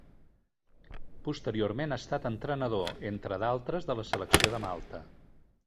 Posteriorment ha estat entrenador, entre d'altres de la selecció de Malta.